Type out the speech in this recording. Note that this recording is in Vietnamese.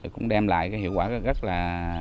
cũng đem lại hiệu quả rất là